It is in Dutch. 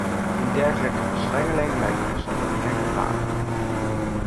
Een dergelijke verstrengeling lijkt mij zonder meer gevaarlijk.